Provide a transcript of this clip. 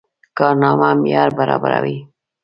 کارنامه معیار برابره وه.